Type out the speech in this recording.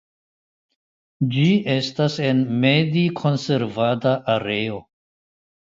Ĝi estas en medikonservada areo.